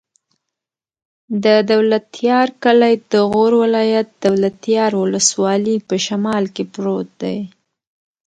د دولتيار کلی د غور ولایت، دولتيار ولسوالي په شمال کې پروت دی.